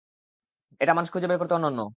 এটা মানুষ খুঁজে বের করতে অনন্য।